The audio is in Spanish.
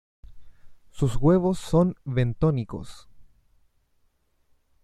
Sus huevos son bentónicos.